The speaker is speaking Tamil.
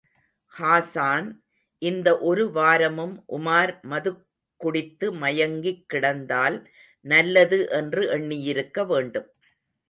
ஹாஸான் இந்த ஒரு வாரமும் உமார் மதுக்குடித்து மயங்கிக் கிடந்தால் நல்லது என்று எண்ணியிருக்க வேண்டும்.